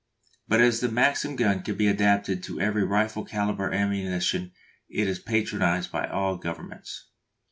But as the Maxim gun can be adapted to every rifle calibre ammunition it is patronised by all governments.